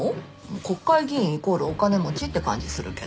国会議員イコールお金持ちって感じするけど。